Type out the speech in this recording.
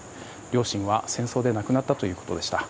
両親は戦争で亡くなったということでした。